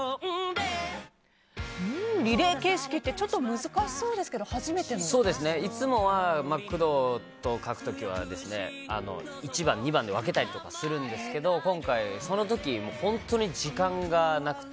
リレー形式ってちょっと難しそうですがいつもは工藤と書く時は、１番２番で分けたりするんですけど今回は、その時本当に時間がなくて。